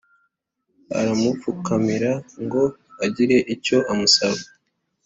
aramupfukamira ngo agire icyo amusaba